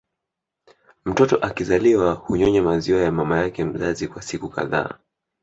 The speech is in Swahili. Mtoto akizaliwa hunyonya maziwa ya mama yake mzazi kwa siku kadhaa